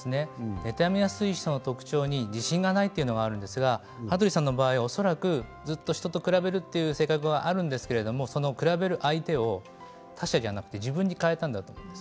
妬みやすい人の特徴に自信がないというのがありますが羽鳥さんの場合恐らく１つ人と比べるという性格があるんですが比べる相手を他者じゃなく自分に変えたんだと思います。